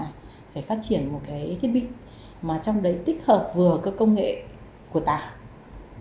phải phát triển một cái thiết bị mà trong đấy tích hợp vừa công nghệ của tạo